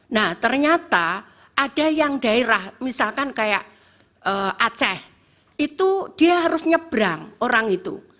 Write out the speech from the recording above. nah ternyata ada yang daerah misalkan kayak aceh itu dia harus nyebrang orang itu